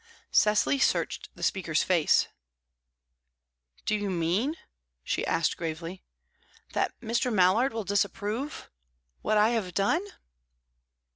Cecily searched the speaker's face. "Do you mean," she asked gravely, "that Mr. Mallard will disapprove what I have done?"